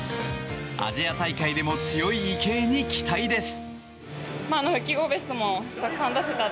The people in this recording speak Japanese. アジア大会でも強い池江に期待です。